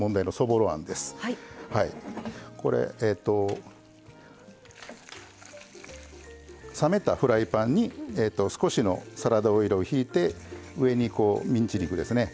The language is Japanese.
これえと冷めたフライパンに少しのサラダオイルをひいて上にミンチ肉ですね